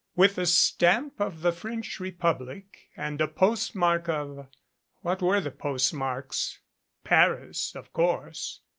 With a stamp of the French Republic and a postmark of What were the postmarks? Paris. Of course.